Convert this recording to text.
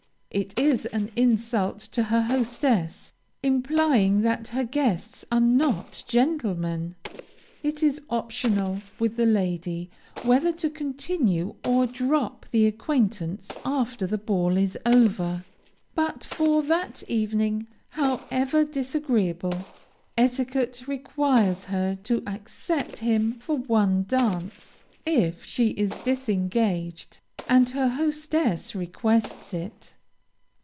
It is an insult to her hostess, implying that her guests are not gentlemen. It is optional with the lady whether to continue or drop the acquaintance after the ball is over, but for that evening, however disagreeable, etiquette requires her to accept him for one dance, if she is disengaged, and her hostess requests it.